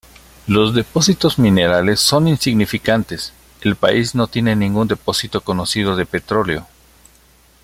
Los depósitos minerales son insignificantes; el país no tiene ningún depósito conocido de petróleo.